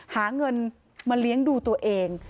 หาเงินมาเลี้ยงดูตัวเอง